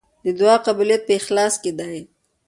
د دعا قبولیت په اخلاص کې دی.